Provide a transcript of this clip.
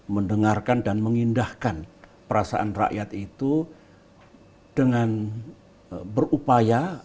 mendengarkan dan mengindahkan perasaan rakyat itu dengan berupaya